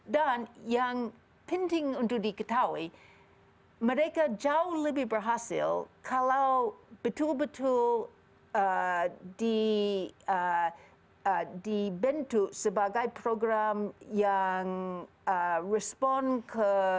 dan yang penting untuk diketahui mereka jauh lebih berhasil kalau betul betul dibentuk sebagai program yang respon ke